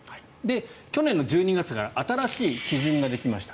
去年の１２月から新しい基準ができました。